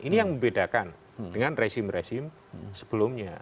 ini yang membedakan dengan resim resim sebelumnya